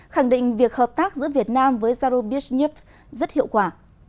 khẳng định việc hợp tác giữa việt nam với zarubishnev rất hiệu quả